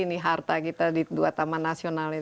ini harta kita di dua taman nasional ya